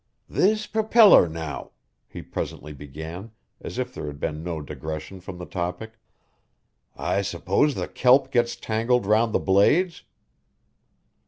"This propeller now," he presently began as if there had been no digression from the topic, "I s'pose the kelp gets tangled around the blades."